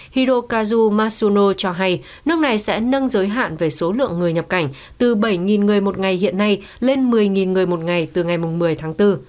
hirokazu masuno cho hay nước này sẽ nâng giới hạn về số lượng người nhập cảnh từ bảy người một ngày hiện nay lên một mươi người một ngày từ ngày một mươi tháng bốn